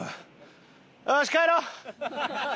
よし帰ろう！